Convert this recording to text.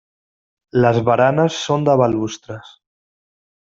Les baranes són de balustres.